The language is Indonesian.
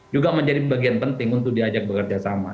juga menjadi bagian penting untuk diajak bekerja sama